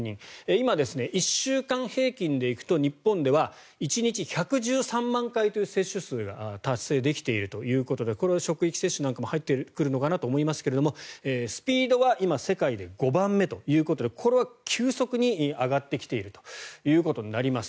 今、１週間平均で行くと日本では１日１１３万回という接種数が達成できているということでこれは職域接種なんかも入ってくるのかなと思いますがスピードは今、世界で５番目ということでこれは急速に上がってきているということになります。